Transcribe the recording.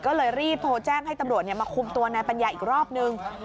ก็เลยรีบโทรแจ้งให้ตำรวจมาคุมตัวนายปัญญาอีกรอบนึง